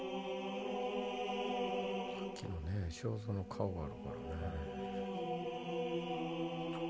さっきの章造の顔があるからね。わ！